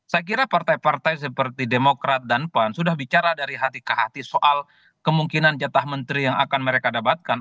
saya kira partai partai seperti demokrat dan pan sudah bicara dari hati ke hati soal kemungkinan jatah menteri yang akan mereka dapatkan